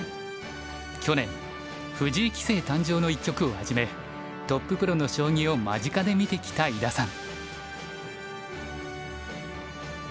去年藤井棋聖誕生の一局をはじめトッププロの将棋を間近で見てきた井田さん。